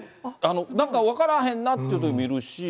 なんか分からへんなっていうとき見るし。